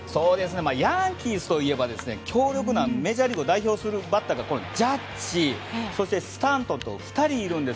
ヤンキースといえば強力なメジャーリーグを代表するバッターが、ジャッジそしてスタントンと２人います。